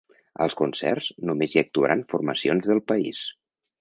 Als concerts, només hi actuaran formacions del país.